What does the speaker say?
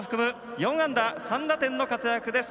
４安打３打点の活躍です。